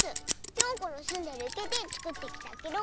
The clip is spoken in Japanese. ぴょんこのすんでるいけでつくってきたケロ。